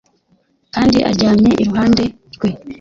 kandi aryamye iruhande rwe